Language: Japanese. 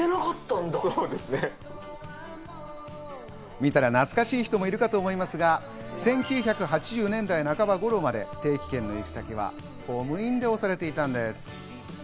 見たら懐かしい人もいるかもしれませんが、１９８０年代半ば頃まで定期券の行き先はゴム印で押されていたんです。